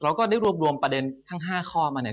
ก็ได้รวบรวมประเด็นทั้ง๕ข้อมาเนี่ย